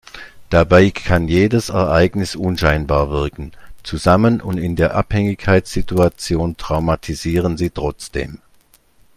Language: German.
Dabei kann jedes Ereignis unscheinbar wirken, zusammen und in der Abhängigkeitssituation traumatisieren sie trotzdem.